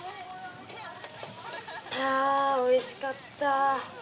あぁおいしかった。